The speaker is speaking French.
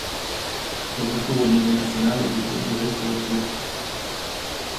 Le retour au niveau national est de courte durée pour le club.